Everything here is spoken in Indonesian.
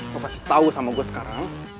lo pasti tau sama gue sekarang